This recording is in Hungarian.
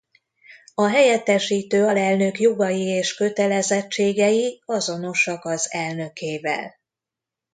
A helyettesítő alelnök jogai és kötelezettségei azonosak az elnökével.